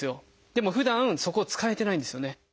でもふだんそこ使えてないんですよね。